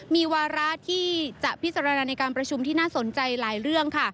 มีวาระที่จะพิจารณาในการประชุมที่น่าสนใจหลายเรื่องค่ะ